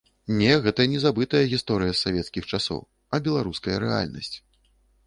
Не, гэта не забытая гісторыя з савецкіх часоў, а беларуская рэальнасць.